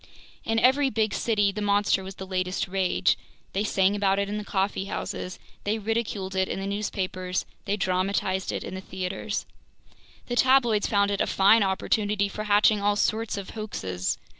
In every big city the monster was the latest rage; they sang about it in the coffee houses, they ridiculed it in the newspapers, they dramatized it in the theaters. The tabloids found it a fine opportunity for hatching all sorts of hoaxes.